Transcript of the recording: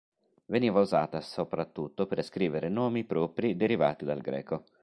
Veniva usata soprattutto per scrivere nomi propri derivati dal greco.